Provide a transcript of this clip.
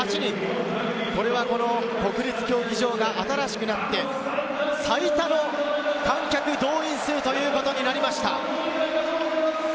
これは国立競技場が新しくなって、最多の観客動員数ということになりました。